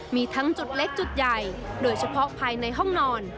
มีทั้งจุดเล็กจุดใหญ่โดยเฉพาะภายในห้องนอน